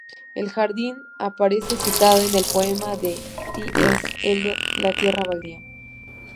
El jardín aparece citado en el poema de T. S. Elliot La tierra baldía.